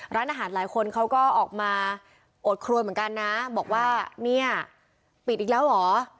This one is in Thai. ร้านอาหารหลายคนเขาก็ออกมาอดครัวเหมือนกันนะบอกว่าเนี่ยปิดอีกแล้วเหรอ